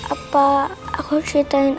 apa aku ceritain aja